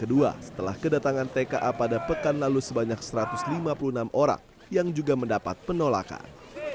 kedua setelah kedatangan tka pada pekan lalu sebanyak satu ratus lima puluh enam orang yang juga mendapat penolakan